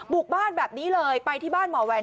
บ้านแบบนี้เลยไปที่บ้านหมอแวน